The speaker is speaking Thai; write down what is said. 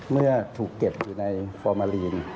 เมื่อถูกเก็บอยู่ในฟอร์มาลีน